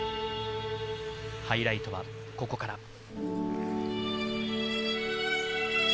ハイライトはここから。